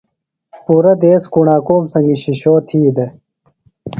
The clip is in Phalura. پُرہ دیس کُݨاکوم سنگیۡ شِشو تھی دےۡ۔